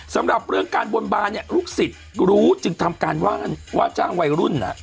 สำหรับเรื่องการบนบานเนี่ยลูกศิษย์รู้จึงทำการว่าจ้างวัยรุ่น